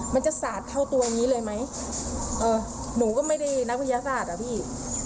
มันจะสาดเข้าตัวอย่างนี้เลยไหมเออหนูก็ไม่ได้นักวิทยาศาสตร์อ่ะพี่